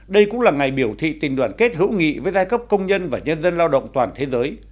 đây cũng là ngày biểu thị tình đoàn kết hữu nghị với giai cấp công nhân và nhân dân lao động toàn thế giới